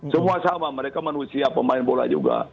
semua sama mereka manusia pemain bola juga